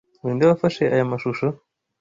Ninde wafashe aya mashusho?